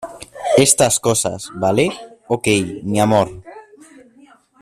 estas cosas, ¿ vale? ok , mi amor.